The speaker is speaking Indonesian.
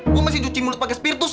gua masih cuci mulut pake spirtus nih